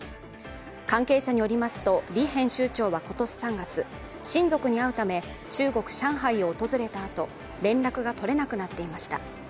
関係者によりますと、李編集長は今年３月、親族に会うため中国・上海を訪れたあと連絡がとれなくなっていました。